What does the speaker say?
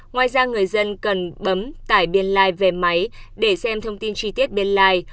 ngoài ra người dân cần bấm tải biên like về máy để xem thông tin chi tiết biên like